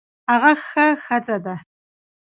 هغه ښه ښځه ده